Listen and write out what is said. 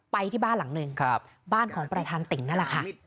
ไปที่บ้านหลังหนึ่งบ้านของประธานติ่งนั่นแหละค่ะ